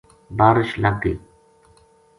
بارش لگ گئی